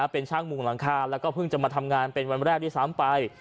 เป็นช่างมุงหลังคาแล้วก็เพิ่งจะมาทำงานเป็นวันแรกด้วยซ้ำไป